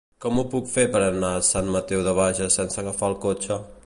Com ho puc fer per anar a Sant Mateu de Bages sense agafar el cotxe?